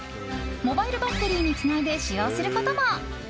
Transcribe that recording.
モバイルバッテリーにつないで使用することも。